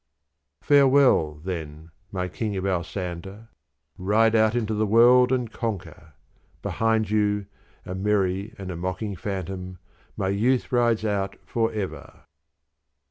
_ _Farewell, then, my King of Alsander. Ride out into the world and conquer. Behind you a merry and a mocking phantom my youth rides out for ever!